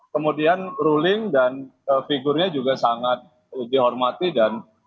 kemudian ruling dan figurnya juga sangat dihormati dan